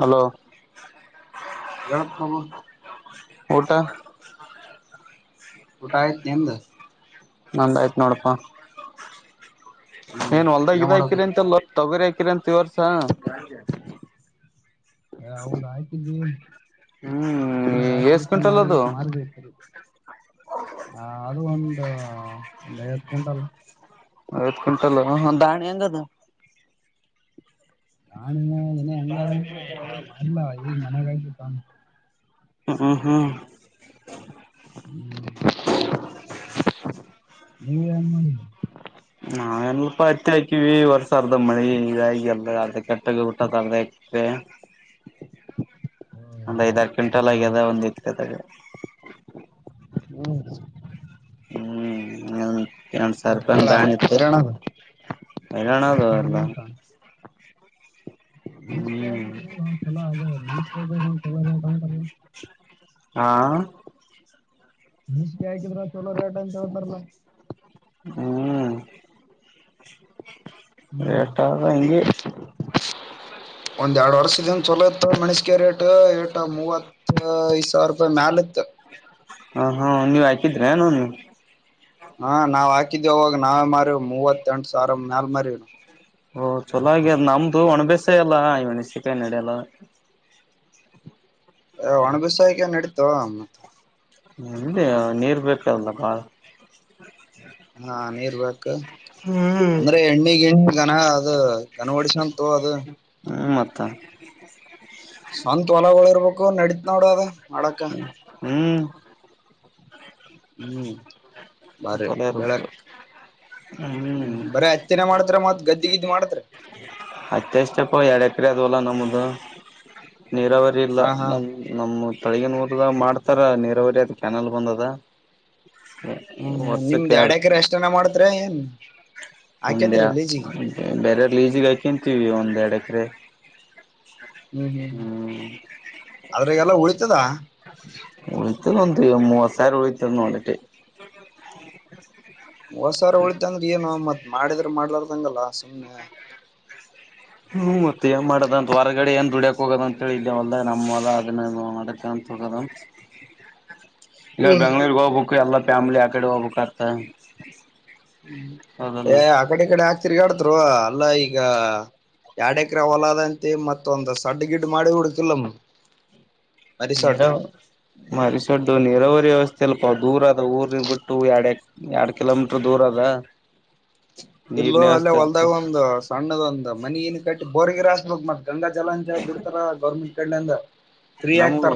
Hello ಜರಪ್ ತಬ ಗಟಾ ುಟಾಯ ಎಿಂದ ನಂದಾಯಯ್ತು ನೋಡಪ್ಪಾ ಹ್ಮ್ ಏನ್ ಹೊಲ್ದಾಗ ಇದ ಹಾಕಿರಿ ಮಾಡಕತ್ರಿ ಅಂತೆಲ್ಲ ತೊಗರಿಕ ಕಿರಾಂತಿ ವರ್ಷ ಹ ಹೌದ ಆ್ತಿದ್ದೀ ಹ್ಮ್ ಮೊನ್ನೆ ರಾಶಿ ಎಷ್ಟ ವೀಸ ಕ್ವಿಂಟಲ್ ಮಾಡಿ ಅದು ಮಾರ್ಗ ಹ ಹ ಅದು ಒಂದು ಒಂದ್ ಐವತ್ತು ಕ್ವಿಂಟಲ್ ಐತ್ ಕ್ವಿಂಟಲ್ ದಾಾಣಿ ಹೆಂಗದು ನಾಾನಿನ್ನ ಇನ ಹೆಂಗಾದಾನ ಮರ್ಲ ಈಗ ಮನೆಾಗಾಯ್ು ಕಾಮ ಹ್ಮ್ ಹ್ಮ್ ಹ್ಮ್ ಹ್ಮ್ ನೀವನ್ ಮಾಡ ನಾವೆನಲ್ಪ ಹತ್ತಿ ಹಾಕಿವವಿ ವರ್ಷ ಅರ್ಧ ಮಳಿ ಇದಾಗಿ ಅಲ್ಲ ಅದ ಕೆಟ್ಟ ಊಟದರ್ ಸ ಒಂದ್ ಐದ್ರು ಕ್ಂಟಲ್ ಹ್ಮ್ ಆಗ್ಯದ ಒಂದತ್ ಕದಾಗ ಹ್ಮ ಹ ಹ ಸಾವಿ ಅವ್ರ ರೂಪಾಯಿ ಬಾಳ ಹಂಗ ದಾಣಿ ಇತ್ತು ಹೈರಾಣ ಅದ ಣದು ಎಲ್ಲ ಮನ್ಸ್ಿಕ ಆಗ್ ಹ್ಮ್ ಒ ಚಲ ಅದೇ ಮನ್ ಆಗಲೋ ಕಂತ ಹಾ ಬಸಿಗೆ ಹಾಕಿದ್ರ ಚಲೋ ರೇಟ ಅಂತ ಹೇಳ್ತಾರ ನ ಹ್ಮ್ ಹ್ಮ್ ರೇಟ್ ಆದ ಹಿಂಗೆ ಒಂದ್ ಎರಡು ವರ್ಷದ ಚಲೋತ್ತ ಮಣಸಗೆ ರೇಟ್ ಏಟ ಮೂವತ್ತ ಐದು ಸಾವಿರ ರೂಪಾಯಿ ಮ್ಯಾಲತ್ ಹ ಹಾ ನೀವ್ ಆಯ್ತಿದ್ರೆ ನೋ ನೀ ಹಾ ನಾವ್ ಹಾಕಿದೇ ಹೋಗಾಗ ನಾವೇ ಮಾರವ್ ಮೂವತ್ತ ಎಂಟು ಸಾವಿರ ಮ್ಯಾಲ ಮಾರವಿ ನವು ಓ ಚೊಲಾಗಿ ಅ ನಮ್ದು ಒಣಬಸ ಎಲ್ಲ ಈಣಿಸಿಕಾಯ ನಡಿಯಲ್ಲ ಒಣಬಿಸಾಯಕ ನಡೀತ ಮತ್ತ ನಿಮ್ದ ನೀರ್ ಬೇಕಲ್ ಬಾಳ ಹಾ ನೀರ್ ಬಕ್ು ಹ್ಮ್ ಅಂದ್ರೆ ಎಣ್ಣಿಗ್ ಎಣ್ಣಿಗನ ಅದು ಕನವಾಡಿಶನ್ ತೋ ಅದು [unintelligible] ಸ್ವಂತತ್ ಹೊಲಗಳ ಇರ್ಬೇಕು ನಡತ್ತ್ ನೋಡ ಅದ ಮಾಡಕ ಹ್ಮ್ ಹ್ಮ್ ಬಾರಿ ತಲೆ ಬೆಳಕ್ ಹ್ಮ್ ಹ್ಮ ಬರ ಹತ್ತನ ಮಾಡ್ತ್ರ ಮತ್ ಗದ್ದೆ ಇದಗ್ ಮಾಡತ್ರ ಅತ್ತೆಷ್ಟಪ್ಪ ಎರಡ್ ಎಕರೆ ಅದವಲ್ಲ ನಮ್ದ ನೀರಾವರಿ ಇಲ್ಲ ಹಾ ಹಾ ನಮ್ಮ ನಮ್ಮ ತಳಗನ್ ಓದದ ಮಾಡ್ತಾರ ನೀರಾವರಿ ಅದು ಕೆಯಾನಲ್ ಬಂದದ ಹ್ಮ ವರ್ಷಕ್ಕೆ ನಿಮ್ದ್ ಎರಡ್ ಎಡ್ಯಕರೆ ಎಷ್ಟನ ಮಾಡ್ತ್ರ ಏನ್ ಒಂದ್ಯಾ ಹಾಕೇತ್ರಿ ಲೀಜಿಗೆ ಬೇರೆರ್ ಲ ಈಜಗ ಹಾಕಂತೀವಿ ಒಂದ್ ಎಡಕ್ರೆ ಹ್ಮ್ ಹ್ಮ್ ಹ್ಮ್ ಅದ್ರಾಗಲ್ಲ ಉಳಿತದ ಉಳಿತಂದು ಮೂವ ಸಾವರ ಉಳತನ ಹೊಡ ಹೊಸಾರ ಉಳಿತ ಅಂದ್ರ ಏನು ಮತ್ ಮಾಡಿದ್ರ ಮಾಡ್ಲಾರದಂಗಲ್ಲ ಹ್ಮ್ ಮತ್ತೆ ಏನ್ ಮಾಡದಂತ ಹೊರಗಡೆ ಏನ್ ದುಡಿಯ ಹೋಗೋದ ಅಂತೇಳೆವಲ್ಲದ ನಮ್ಮಲ್ಲ ಅದನ್ನ ನಡಕ ಅಂತ ಹೋಗದ ಈಗ ಬೆಂಗಳೂರು ಹೋಗ್ಬೇಕು ಎಲ್ಲ ಫ್ಯಾಮಿಲಿ ಯ ಕಡೆ ಹೋಗ್ಬೇಕತ ಹ್ಮ್ ಏ ಆ ಕಡೆ ಕಡೆ ಆಾಕ್ತಿರ್ಗಾಡ್ತರು ಅಲ್ಲಾ ಈಗ ಯಡಕ್ರ ಹೊಲಾದಂತ ಮತ್ತೊಂದ್ ಸಡ್ ಗಿಡ್ ಮಾಡಿ ಹುಡುಕಿಲ್ಲಮ್ಮ ಮರಿ ಸಡ್ ನೀರಾವ ಮಾರಿ ಸೊಡ್ ನೀರಾವರಿ ವಸ್ಥೆ ಸ್ವಲ್ಪ ದೂರ ಅದ ಊರ್ನಿಂದ ಬಿಟ್ಟು ಎರಡು ಎರಡ್ ಕಿಲೋಮೀಟ್ರ ದೂರ ಅದ ಇಲ್ಲೂ ನೀರ್ನ ಅಲ್ಲೇ ವ್ಯವಸ್ಥೆ ಅದಕ್ಕೆ ಹೊಲ್ದಾಗ ಒಂದು ಸಣ್ಣದ ಒಂದ್ ಮನನ್ ಕಟ್ಟಿ ಬೋರ್ಗಿರಾಸ್ಬೇಕಕ್ ಮತ್ತ ಗಂಗಾ ಜಲ ಅಂತ ಹಿ ಬಿಡ್ತಾರ ಗೌರ್ಮೆಂಟ್ ಕಡೆಯಿಂದ ನಮ್ಮೂರು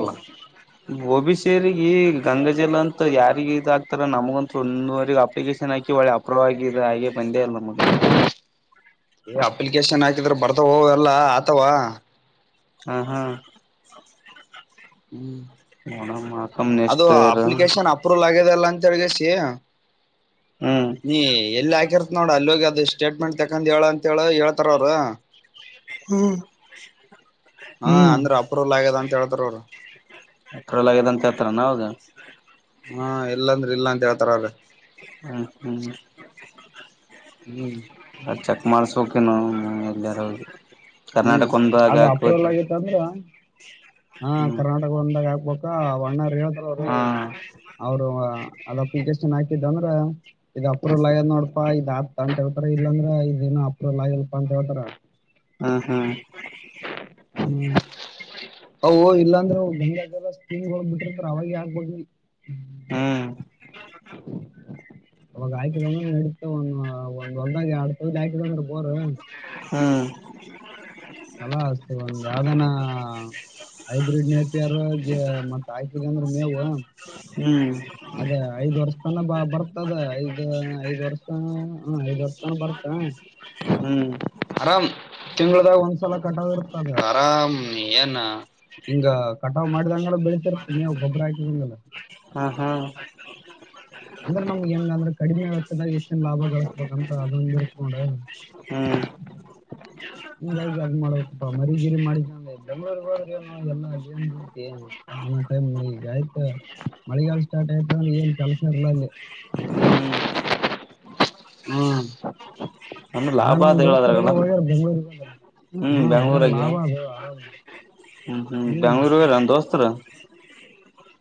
ಈ ಓಬಿಸಿ ಅವರಿಗೆ ಗಂಗಜಲ ಅಂತ ಯಾರಿಗೆ ಇದ ಹಾಕ್ತಾರ ನಮಗಂತ ಒಂದೂವರೆಗೆ ಅಪ್ಲಿಕೇಶನ್ ಹಾಕಿ ಒಳ್ಳೆ ಅಪ್ರೂವ್ ಆಗಿದೆ ಹಾಗೆ ಬ ಎಲ್ಲ ನಮಗೆ ಏ ಅಪ್ಲಿಕೇಶನ್ ಹಾಕಿದ್ರ ಬರ್ತೋ ಎಲ್ಲಾ ಆತವಾ ಹ್ಮ ಹಾ ಹ್ಮ್ ನೋಡಮ್ಮ ಕಮ್ ಅದು ನೆಕ್ಸ್ಟ್ ಇಯರ್ ಅಪ್ಲಿಕೇಶನ್ ಅಪ್ರೂವಲ್ ಆಗಿದೆ ಅಲ್ಲ ಅಂತ ಹೇಳ ಹ್ಮ್ ನೀ ಎಲ್ಲಿ ಹಾಕಿರ್ತ್ ನೋಡ ಅಲ್ಲಿಗ ಅ ಸ್ಟೇಟ್ಮೆಂಟ್ ತಕಂದ ಹೇಳ ಅಂತ ಹೇಳ ಹೇಳ್ತಾರ ಅವರು ಹ್ಮ್ ಹಾ ಹ್ಮ್ ಅಂದ್ರ ಅಪ್ರೂವಲ್ ಆಗ್ಯದ ಅಂತ ಹೇಳತಾರ ಅವರು ಪೆಟ್ರೋಲ್ ಆಗ್ಯದ ಅಂತ ಹೇಳ್ತಾರ ನ ಅವಾಗ ಹಾ ಇಲ್ಲಾಂದ್ರೆ ಇಲ್ಲಾ ಅಂತ ಹೇಳ್ತಾರ ಅವ್ರ ಹ್ಮ ಹ್ಮ್ ಹ್ಮ್ ಚಕ್ಮಾರಿಸುಕ ನ ಎಲ್ಲರ ಹ್ಮ್ ಅದು ಅಪ್ರೋವಲ್ ಆಗೇತ್ತ ಅಂದ್ರ ಹಾ ಹ್ಮ್ ಕರ್ನಾಟಕ ಒಂದಾಗ ಹಾಕ್ಬೇಕ ಬಣ್ಣಾರ ಹೇಳೇಳ್ತಾರ ಅವ್ರಿ ಹಾ ಅವರು ಅದ ಅಪ್ಲಿಕೇಶನ್ ಅಂದ್ರ ಇದು ಅಪ್ರೂವಲ್ ಆಗ್ಯದ ನೋಡಪಾ ಇದ್ ಆತ್ ಅಂತ ಹೇಳ್ತಾರ ಇಲ್ಲಾಂದ್ರ ಇದೇಏನು ಅಪ್ರೂವಲ್ ಆಗಲ್ಪ [inaudible] ಹಾ ಹಾ ಹ್ಮ್ ಅ ಇಲ್ಲಾಂದ್ರೆ [unintelligible] ಂದ್ರ ಅವಾಗ ಆಗ್ಬೋದು ಹ್ಮ್ ಅವಾಗ ಆಾ್ಕಂದ್ರೆ ನಡತ ಒಂದ ಒಂದ್ ಒಂದಾಗಿ ಆಡ್ತ ಆಾಕ ಅಂದ್ರೆ ವರ ಹ ಅಲ ಒ ಯಾವ್ದಾನ ಹೈಬ್ರಿಡ್ ನೆಪಿಯರ್ ಮತ್ತ ಹಾಕ ಂದ್ರ ಮೇವು ಹ ಹ್ಮ್ ಅದೇ ಐದ್ ವರ್ಷ ನ ಬ ಬರ್ತದ ಐದ್ ಐದ್ ವರ್ಷ ಹ ಐದ್ ವರ್ಷ ತನ ಬರ್ತ ಹ್ಮ್ ತಿಂಳದಾಗ ಒಂದ್ಸಲ ಕಟ್ಟದರ್ತದ ಆರಾಮ್ ಏನ್ ಹಿಂಗ ಕಟಾವ್ ಮಾಡಿದಂಗಲ್ಲ ಬೆಳಿತರ್ ನೀವವು ಗೊಬ್ಬ್ರ ಹಾಕಿದಂಗಲ್ಲ ಹ್ಮ ಹ್ಮ ಅಂದ್ರೆ ನಮ್ಗೆ ಹೆಂಗ ಅಂದ್ರೆ ಕಡಿಮೆತ್ತದಾಗ ಹೆಚ್ಚನ್ ಲಾಭ ಗಳಿಸಸ್ಬೇಕಂತ ಅದೊಂದ ಇರುತ್ತ ನೋಡ ಹ್ಮ್ ಹಿಂಗಾಗಿಿ ಅದ್ ಮಾಡ್ಬೇಕಪ್ಪಾ ಮರಿಗಿರಿ ಮಾಡಿಕ ಅಂದ ಬೆಂಗ್ಳೂರಿಗೆಗ್ ಹೋದ್ರಿ ಏನ ಎಲ್ಲ ಅಲ್ಲಿ ಏನ್ಂತ ನು ಒಂದೊ ಟೈಮ್ ಈಗ ಆಯ್ತಾ ಮಳೆಗಾಲ ಸ್ಟಾರ್ ಆಯ್ತ ಅಂದ್ರೆ ಏನ್ ಕೆಲಸ ಹರ್ಳಲ್ಲೇ ಹ್ಮ್ ಹ್ಮ ಅಂದ್ರ ಎಲ್ಲಾ ಲಾಭ ನಮ್ ಅದ ದೋಸ್ತರೆಲ್ಲ ಹೇಳದ್ರಾಗಲ್ಲ ಹಗಾರ ಬೆಂಗ್ಳೂಗ ಹ್ಮ್ ಹಾ ಅದ್ರಾಗ ಬೆಂಗ್ಳೂರಾಗ ಲಾಭ ಅದು ಆರಾಮ್ ಹ್ಮ್ ಹ್ಮ್ ಬ ಬೆಂಗ್ಳೂರುರ ದೋಸ್ತರ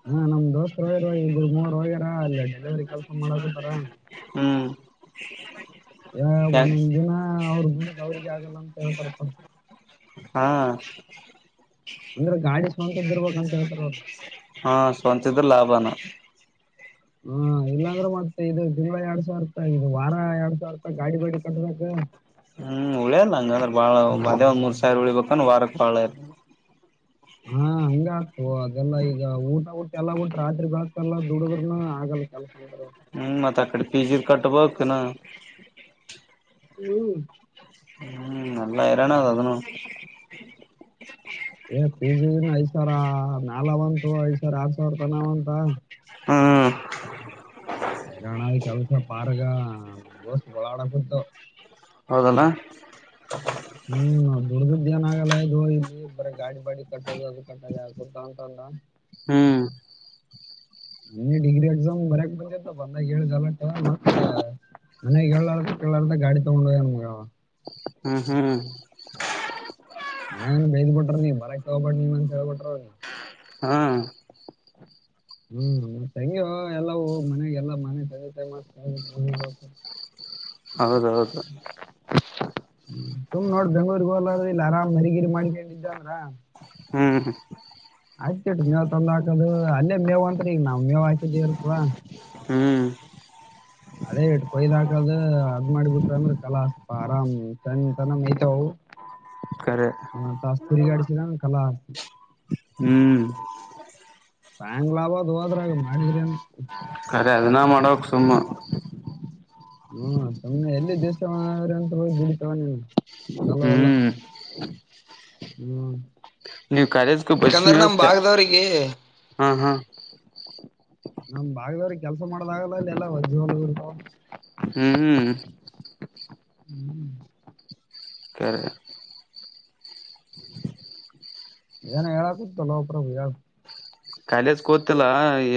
ಹಾ ನಮ್ ದೋಸ್ತತ್ ಹೋಗ್ಯಾರ ಇಬ್ರು ಮೂವರು ಹೋಗ್ಯಾರ ಅಲ್ಲಿ ಡೆಲಿವರಿ ಕೆಲ್ಸ ಮಾಡಕಂತಾರ ಹ್ಮ್ ಯ ಒಂದೊಂದ್ ದಿನ ಅವ್ರ ುಡ್ದ ಅವ್ರಿಗೆ ಆಗಲ್ಲ ಅಂತ ಹೇಳ್ತಾರಪ ಹಾ ಅಂದ್ರೆ ಗಾಡಿ ಸ್ವಂತದ್ ಇರ್ಬೇಕಂತ ಹೇಳ್ತಾರ ಅವ್ರು ಹಾ ಸ್ವಂತಿದ್ರ ಲಾಭನ ಹಾ ಇಲ್ಲಾಂದ್ರೆ ಮತ್ತೆ ಇದು ತಿಂಗಳ ಎರಡ್ ಸಾವಿರ್ತ ಇದು ವಾರ ಎರಡ್ ಸಾವಿ ಇರ್ತ ಗಾಡಿ ಗಾಡಿ ಕಟ್ಟದ ಹ್ಮ್ ಉಳಿಯರ್ಲ್ಲ ನಂಗಂದ್ರ ಬಾಳ ಅದೇ ಒಂದ್ ಮೂರ್ ಸಾವಿರ ಉಳಿಬೇಕಂದ ವಾರಕ್ ಬಾಳ ಇರ್ ಹಾ ಹಂಗ ಓ ಅದೆಲ್ಲ ಈಗ ಊಟ ಊಟ ಎಲ್ಲ ಬಿಟ್ಟ ರಾತ್ರಿಗ್ ಹಾತಲ್ಲ ದುಡ್ರನು ಆಗಲ್ಲ ಕೆಲಸ ಅಂತಾರ ಅವ್ರು. ಹ್ಮ ಮತ್ತೆ ಅಕ್ಕಡೆ ಪಿಜಿ ಕಟ್ಟಬೋತಿನ ಹ್ಮ್ ಹ್ಮ್ ನಲ್ಲ ರಾನ ಅ ಅದನ್ನು ಏ ಪಿ ಜಿಿನ ಐ್ ಸಾವಿರ ನಲ್ಂತು ಐದ್ ಸಾವರ ಆರ್ ಸಾವಿರ ರೂಪಾಯಿ ನಾವಂತ ಹ್ಮ್ ಹೈರಾಣದ ಕೆಲ್ಸ ಪಾರ್ಗ ನಮ್ ದೋಸ್ತ್ ಓಳಾಡಕತ್ತು ಹೌದಲ್ಲ ಹ್ಮ್ ನಾ ದುಡ್ದದ ಏನ ಆಗಲ್ಲ ಅದು ಇಲ್ಲಿ ಬರ ಗಾಡಿ ಬಾಡಿ ಕಟ್ಟದು ಅದು ಕಟ್ಟದ ಆಕಂತ ಅಂತಂದ [unintelligible] ಹ್ಮ್ ನೀ ಡಗ್ರ ಎಕ್ಸಾಮ ಬರಕ್ ಬಂದ ಬ ಏಳಲ್ಲ [unintelligible] ಮ ಇ ಕೇಳ ಗಾಡಿ ತಗೊಂಡಗ ಹ್ಮ್ ಹ್ಮ್ ಮನ ಬೇದ್ ಬಿಟ್ರ ನೀ ಬರಾಕ್ ತಗೋಬೇ ನೀವ ಅಂತ ಹೇಳ್ಬಿಟ್ರವ ನೀ ಹಾ [inaudible] ಹ್ಮ್ ಮತ್ತೆ ಹೆಂಗ ಎಲ್ಲ ಮನೆಗೆಲ್ಲ ಮನೆ ಹೌದೌದು ತುಮ ನೋಡ್ ಬೆಂಗ್ಗಳೂರ್ಗೆ ಹೋಲ ಇ ಆರಾಮ್ ಮರಿಗಿರಿ ಮಾಡ್ಕೊಂಡಿದ್ದವ್ರ ಹ್ಮ್ ಆಯ್ತಟು ಮೇವ್ ತಂದ ಹಾಕದು ಅಲ್ಲೇ ಮೇವ ಅಂತ್ರ ಈಗ ನಾವ್ ಮೇವ್ ಹಾಕಿದಿ ಇರ್ತವ ಹ್ಮ್ ಅದೇ ಇಟ್ ಕೊಯ್ದ್ ಹಾಕದ ಅದ್ ಮಾಡಿಬಿಟ್ರ ಅಂದ್ರ ಕಲಾಸ್ಪ ಆರಾಮ್ ತಂದ ತನಯ್ತವು ಹ ಮ ತ ಸ್ತ್ರರಿ ಗಡಿಸಿ ನ ಕಲ ಆ [unintelligible] ಹ್ಮ್ ತಾಯಂಗ್ ಲಾಭದು ಹೋದ್ರಗ ಮಾಡಿದ್ರಿ ಏನ್ [unintelligible] ಅ ಅದನ್ನ ಮಾಡೋಕ್ ಸುಮ್ಮ [unintelligible] ಹ್ಮ ಸುಮ್ನೆ ಎಲ್ಲಿ ದೇಶವ್ರ ಅಂತ ಹೋಗ ಬಿಡಿತವ ನೀ ಅಲ್ಲ ಅಲ್ಲ [inaudible] [inaudible] ಹ್ಮ್ ನೀವ್ ಕಾಲೇಜ್ಗೆ ಬಸ್ಸಿನ ಯಕಂದ್ರ ನಮ ವ್ಯವಸ್ಥೆ ಭಾಗದವ್ರರಿಗೆ [unintelligible] ಹಾ ಹಾ ನಮ್ ಭಾಗದವ್ರ ಕೆಲ್ಸ ಮಾಡದಾಗಲ್ಲ ಇಲ್ಲ ಎಲ್ಲ ವಜ್ರ [inaudible] ಹ್ಮ್್ಮ ಹ್ಮ್ ಕೆರೆ [unintelligible] ಏನ ಹೇಳ ಕುೂಂತಲ್ಲ ನೋ ಪ್ರಾಬ್ಲಮ್ ಹೇಳು ಕಾಲೇಜ್ ಕೂತಿಲ್ಲಾ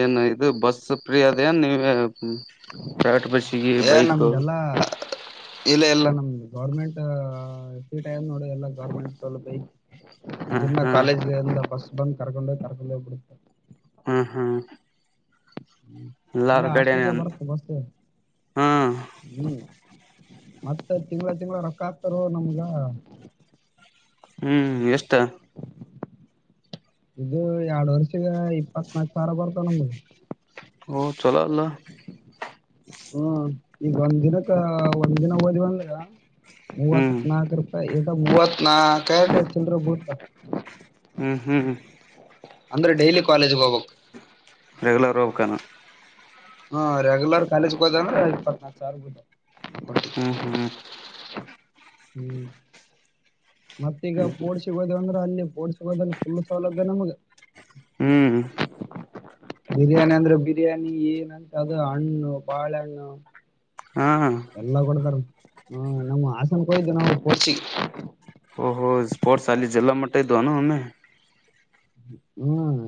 ಏನ್ ಇದು ಬಸ್ ಫ್ರೀ ಅದನ್ ನೀವ ಹ್ಮ ಟ ಬಸಗೆ ಬೈಕ್ [unintelligible] ನಮ್ದೆಲ್ಲಾ ಇಲ್ಲ ಎಲ್ಲಾ ನಮ್ದು ಗೌರ್ಮೆಂಟ್ ಸೀಟ್ ಆಯದ್ ನೋಡಿ ಎಲ್ಲಾ ಗೌರ್ಮೆಂಟ್ ತಲುಪೈ [inaudible] ಹ್ಮ ಇದನ್ನ ಹ್ಮ್ ಕಾಲೇಜ್ ಎಲ್ಲ ಬಸ್ ಬಂದ್ ಕರ್ಕೊಂಡೇ ಕರ್ಕೊಂಡೇ ಬಿಡುತ್ತೆ [inaudible] ಹಾ ಹಾ ಹ್ಮ್ ಇಲ್ಲ ಎಲ್ಲಾರ ಕಡೆನೆ ಆಶಮಿಕ ಬರುತ್ತೆ ಬಸ್ ಹ್ಮ್ ಹ್ಮ್ ಮತ್ತೆ ತಿಂಳ ತಿಂಗಳ ರೊಕ್ಕ ಹಾಕ್ತರು ನಮ್ಗ ಹ್ಮ್ ಎಷ್ಟ ಇದು ಎರಡು ವರ್ಷಗ ಇಪ್ಪತ್ನಾಕು ಸಾವಿರ ಬರ್ತಾವ ನಮಗೆ ಹಓ ಚಲಾ ಅಲ್ಲಾ ಹ್ಮ ಈಗ ಒಂದಿನಕ್ಕೆ ಒಂದ ದಿನ ಓದವಂದ್ರ [inaudible] ಹ್ಮ್ ಮೂವತ್ತ್ನಾಾಲ್ಕು ರೂಪಾಯಿ ಮೂವತ್ನಾಕ ಚಲ್ರ ಭೂತ [unintelligible] ಹ್ಮ್ ಹ್ಮ್ ಅಂದ್ರೆ ಡೈಲಿ ಕಾಲೇಜ್ಗೆ ಹೋಗ್ಬೇಕ್ ರಗಲರ್ ರೋೋಗ್ಕ [unintelligible] ಹಾ ರೆಗ್ಯುಲರ್ ಕಾಲೇಜ್ಗೆ ಹೋದಂದ್ರ ಇಪ್ಪತ್ನಾಲ್ಕ ಸಾವಟ್ಟ ಹ್ಮ್ ಹ್ಮ್ [inaudible] ಹ್ಮ್ ಮತ್ತೀಗ ಪೋಡ್ಸಗೋದು ಅಂದ್ರೆ ಅಲ್ಲಿ ಪೋಡ್ಸಗೋದ್ರ ಫುಲ್ ಸೌಲಭ್ಯ ನಮ್ಗ ಹ್ಮ್ [inaudible] ಬಿರಿಯಾನಿ ಅಂದ್ರೆ ಬಿರಿಯಾನಿ ಏನಂತ ಅದು ಹಣ್ಣು ಬಾಳಹಣ್ಣು [inaudible] ಹಾ ಎಲ್ಲಾ ಕೊಡ್ತಾರ ಹ್ಮ ನಮ್ಮ ಆಸನ್ ಕೊಿದ್ದು ನಾವು ಪರ್ಸಿ [inaudible] ಓಹೋ ಸ್ಪೋರ್ಟ್ಸ್ ವಲ್ಲಿ ಜಲ್ಲ ಮಟ್ಟದುನು ಅಮೆ ಷೂ ಹ್ಮ್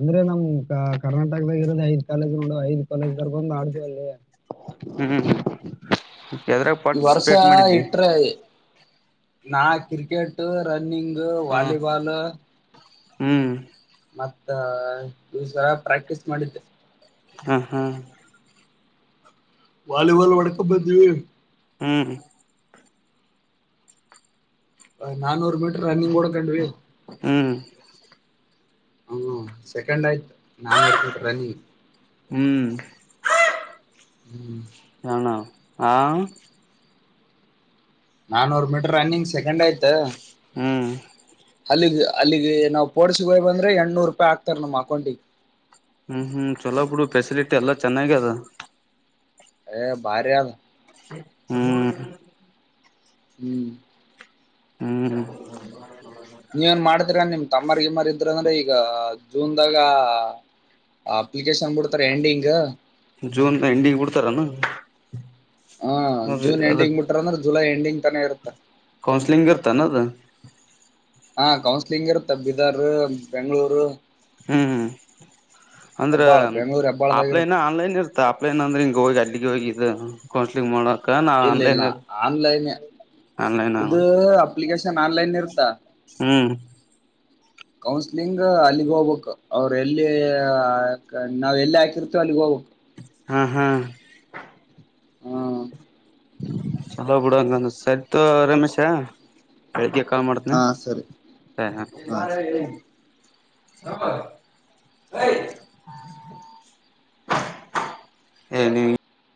ಅಂದ್ರೆ ನಮ್ ಕ ಕರ್ನಾಟಕದಾಗ ಇರೋದ ಐದ್ ಕಾಲೇಜ್ ನೋಡುವ ಐದ್ ಕಾಲೇಜ್ ತರ್ ಬಂದು ಆಡ್ತೀವಲ್ಲಿ ಹ್ಮ್ ಹ್ಮ್ ಎದ್ರಾಗ ಈ ವರ್ಷಾ ಪಾರ್ಟಿಸಿಪೇಟ್ ಮಾಡಿದ್ದಿ ಇಟ ನಾ ಕ್ರಿಕೆಟ್ ರನ್ನಿಂಗು ಹ ವಾಲಿಬಾಲ್ ಹ್ಮ್ ಮತ್ತ ದಸರ ಪ್ರಾಕ್ಟೀಸ್ ಮಾಡಿದ್ದೆ [unintelligible] ಹ್ಮ್ ಹ್ಮ್ ವಾಲಿಬಾಲ್ ವಡಕ ಬಂತ [unintelligible] ಹ್ಮ್ ನಾನೂರು ಮೀಟರ್ ರನ್ನಿಂಗ್ ಕೂಡ ಹ್ಮ್ ಹ್ಮ ಸೆಕೆಂಡ್ ಆಯ್ತು ನಾನೂರು ಮಟ್ರ ರನ್ನಿಂಗ್ ಹ್ಮ್ ಹ್ಮ್ ಹಣ ಹಾ ನಾನೂರು ಮೀಟರ್ ರನ್ನಿಂಗ್ ಸೆಕೆಂಡ್ ಆಯ್ತ ಹ್ಮ್ ಅಲ್ಲಿಗೆ ಅಲ್ಲಿಗೆ ನಾವವು ಪೋಡ್ಸ ಹೋಯ್ ಬಂದ್ರೆ ಎಣನೂರು ರೂಪಾಯಿ ಆಗ್ತಾರ ನಮ್ಮ್ ಅಕೌಂಟಿಗೆ ಹ್ಮ್ ಹ್ಮ್ ಚಲೋ ಬಿುಡು ಫೆಸಿಲಿಟಿ ಎಲ್ಲಾ ಚೆನ್ನಾಗ ಅದ ಏ ಭಾರಿ ಅದ ಹ್ಮ್ ಹ್ಮ್ ಹ್ಮ್ ನೀವ ಏನ್ ಮಾಡ್ತೀರ ನಿಮ್ ತಮ್ಮರ್ಗಿ ಮರ್ ಇದ್ರ ಅಂದ್ರೆ ಈಗ ಜೂನ್ದಾಗ ಅಪ್ಲಿಕೇಶನ್ ಬಿಡ್ತಾರೆ ಎಂಡಿಂಗ್ ಜೂನ್ ಎಂಡಿಂಗ್ ಬಿಡ್ತಾರಾನ ಹಾ ಜೂನ್ ಎಂಡಿಂಗ್ ಬಿಟ್ರ ಅಂದ್ರೆ ಜುಲೈ ಎಂಡಿಂಗ್ ತಾನೆ ಇರತ್ತ ಕೌನ್ಸಲಲಿಂಗ್ತ ನದ ಹಾ ಕೌನ್ಸ್ಲಿಂಗ್ರು ಬದಾರ್ ಬೆಂಗಗಳೂರು ಹ್ಮ್ ಅಂದ್ರ ಆಫ್ಲನ್ ಆನ್ಲನ್ ಇರ್ತ ಆಫ್ಲನ್ ಅಂದ್ರೆ ಹಿಂಗ ಹೋಗಿ ಅಡ್ಡಿಗೆ ಹೋಗಿ ಇ ಕೋಸ್ಟ್ಲಿ ಮಾಡ ಇಲ್ಲ ಇಲ್ಲ ಆನ್ಲನ್ ಆನ್ಲೈನ್ ಇದು ಅಪ್ಲಿಕೇಶನ್ ಆನ್ಲನ್ ಇರ್ತ್ತಾ ಹ್ಮ್ ಕೌನ್ಸಗ್ ಅಲ್ಲಿಗ್ ಹೋಗ್ಬೇಕು ಅವರು ಎಲ್ಲಿ ನಾವ್ ಎಲ್ಲಿ ಹಾಕಿರ್ತೇ ಅಲ್ಲಿಗ್ ಹೋಗ್ಬೇಕು ಹಾ ಹಾ ಹಾ ಹಲೋ ಬಿಡಂಗ ಸರಿತ ರಮೇಶಾ ಕ ಮಾಡತ್ನ ಹಾ ಸರಿ ಸರಿ ಹ ಐ ಎ ನೀ